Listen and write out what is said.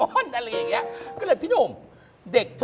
ไม่ใช่คำเพื่อเด็ก